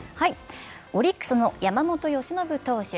オリックスの山本由伸投手。